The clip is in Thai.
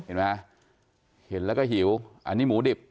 เห็นไหมเห็นแล้วก็หิวอันนี้หมูดิบ